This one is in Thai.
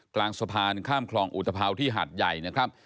กลางสะพานข้ามคลองอุตภาวที่หาดใหญ่นะครับ